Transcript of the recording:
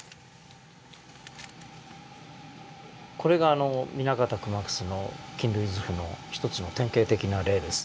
これが南方熊楠の菌類図譜の一つの典型的な例です。